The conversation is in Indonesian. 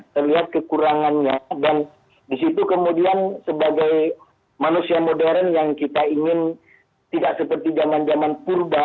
terlihat kekurangannya dan disitu kemudian sebagai manusia modern yang kita ingin tidak seperti zaman zaman purba